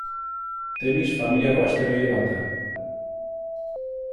Temis familiako asteroide bat da.